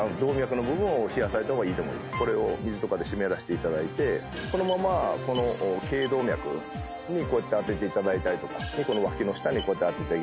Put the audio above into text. これを水とかで湿らせていただいてこのままこの頸動脈にこうやって当てていただいたりとか脇の下にこうやって当てていただいたり。